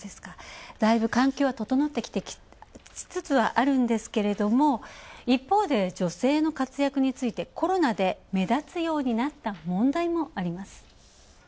だいぶ環境が整ってきつつあるんですけれども、一方で女性の活躍でコロナで目立つようになった問題もあります。